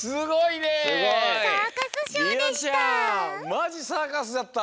マジサーカスだった！